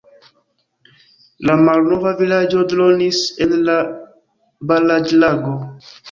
La malnova vilaĝo dronis en la baraĵlago.